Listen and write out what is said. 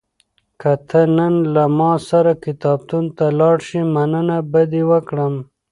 که ته نن له ما سره کتابتون ته لاړ شې، مننه به دې وکړم.